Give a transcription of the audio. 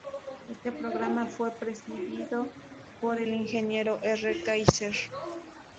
Este programa fue presidido por el ingeniero R. Kaiser.